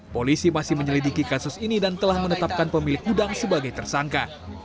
polisi masih menyelidiki kasus ini dan telah menetapkan pemilik gudang sebagai tersangka